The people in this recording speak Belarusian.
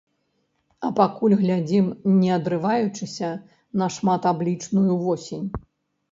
А пакуль глядзім не адрываючыся на шматаблічную восень.